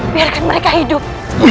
biarkan mereka hidup